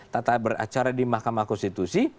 tata beracara di mahkamah konstitusi